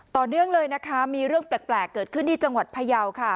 ต่อเนื่องเลยนะคะมีเรื่องแปลกเกิดขึ้นที่จังหวัดพยาวค่ะ